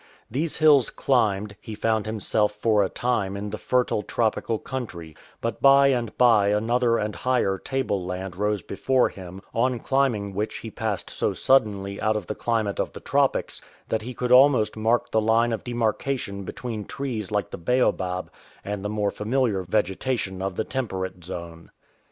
These hills climbed, he fomid himself for a time in a fertile tropical country ; but by and by another and a higher table land rose before him, on climbing which he passed so suddenly out of the climate of the tropics that he could almost mark the line of demarcation between trees like the baobab and the more familiar vegetation of the temperate zone.